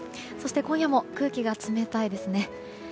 そして、今夜も空気が冷たいですね。